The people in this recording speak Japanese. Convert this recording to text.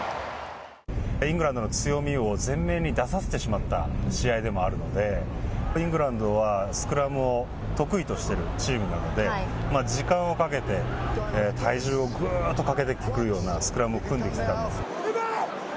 イングランドの強みを前面に出させてしまった試合でもあるので、イングランドはスクラムを得意としているチームなので、時間をかけて、体重をぐーっとかけくるようなスクラムを組んできてたんです。